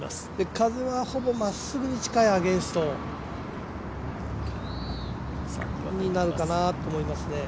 風はほぼまっすぐに近いアゲンストになるかなと思います。